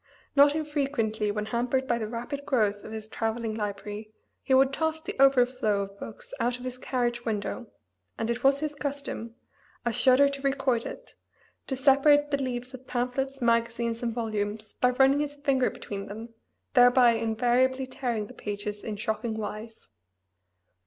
Not infrequently when hampered by the rapid growth of this travelling library he would toss the "overflow" of books out of his carriage window, and it was his custom (I shudder to record it!) to separate the leaves of pamphlets, magazines, and volumes by running his finger between them, thereby invariably tearing the pages in shocking wise.